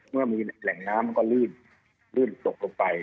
เมื่อมีแหล่งน้ำมันก็ลื่นตกลงไป